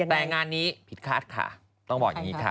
แต่งานนี้ผิดคาดค่ะต้องบอกอย่างนี้ค่ะ